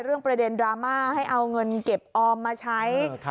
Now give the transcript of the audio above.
ประเด็นดราม่าให้เอาเงินเก็บออมมาใช้